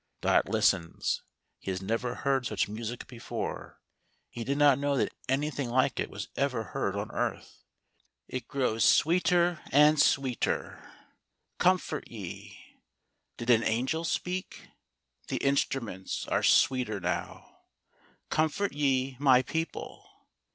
Dot listens. He has never heard such music before; he did not know that anything like it was ever heard on earth. It grows sweeter and sweeter :" Comfort ye^ Did an angel speak? The instruments are sweeter now :" Comfort ye my people."